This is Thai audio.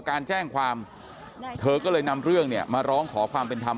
การแจ้งความเธอก็เลยนำเรื่องเนี่ยมาร้องขอความเป็นธรรม